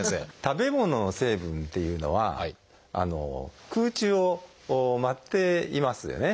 食べ物の成分っていうのは空中を舞っていますよね。